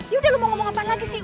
yaudah lo mau ngomong apa lagi sih